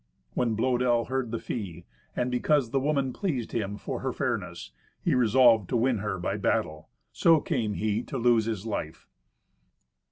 When Blœdel heard the fee, and because the woman pleased him for her fairness, he resolved to win her by battle. So came he to lose his life.